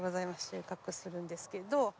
収穫するんですけど。